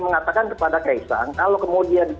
mengatakan kepada kaisang kalau kemudian